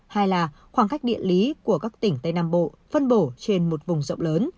hai là khoảng cách địa lý của các tỉnh tây nam bộ phân bổ trên một vùng rộng lớn